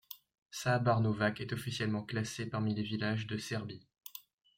Šarbanovac est officiellement classé parmi les villages de Serbie.